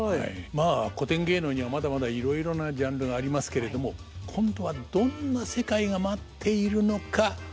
まあ古典芸能にはまだまだいろいろなジャンルがありますけれども今度はどんな世界が待っているのか大久保さん楽しみですね。